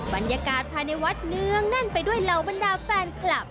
บรรยากาศภายในวัดเนื้องแน่นไปด้วยเหล่าบรรดาแฟนคลับ